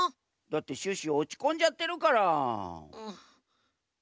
だってシュッシュおちこんじゃってるから。